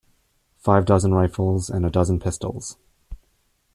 Five dozen rifles and a dozen pistols.